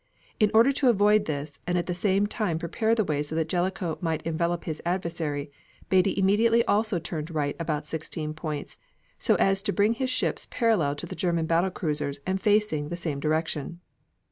In order to avoid this and at the same time prepare the way so that Jellicoe might envelop his adversary, Beatty immediately also turned right around 16 points, so as to bring his ships parallel to the German battle cruisers and facing the same direction.